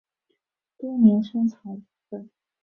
多年生草本。